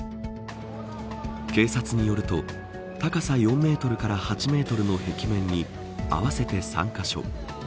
警察によると高さ４メートルから８メートルの壁面に合わせて３カ所。